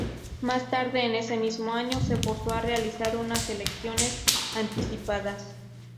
Más tarde, en ese mismo año, se forzó a realizar unas elecciones anticipadas.